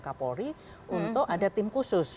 kapolri untuk ada tim khusus